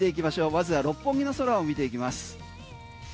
まずは六本木の空を見ていきます。